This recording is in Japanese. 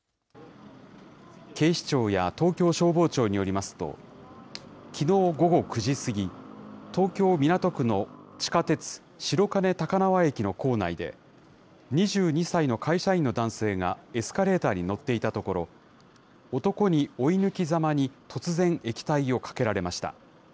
警視庁や東京消防庁によりますと、きのう午後９時過ぎ、東京・港区の地下鉄白金高輪駅の構内で、２２歳の会社員の男性がエスカレーターに乗っていたところ、男に追い抜きざまに突然、液体をかけられました。